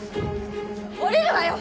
降りるわよ！